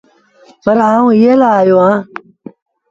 پر آئوٚنٚ ايٚئي لآ آيو اهآنٚ